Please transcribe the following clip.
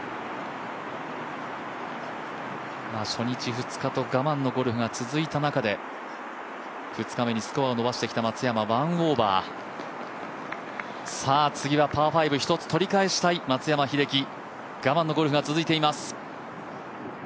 初日２日と我慢のゴルフが続いた中で２日目にスコアを伸ばしてきた松山１オーバー、次はパー５１つ取り返したい松山英樹